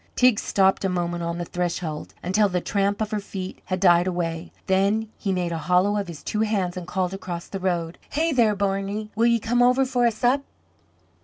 Teig stopped a moment on the threshold until the tramp of her feet had died away; then he made a hollow of his two hands and called across the road: "Hey there, Barney, will ye come over for a sup?"